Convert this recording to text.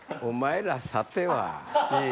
お前らさては。